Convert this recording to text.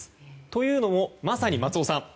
というのも、まさに松尾さん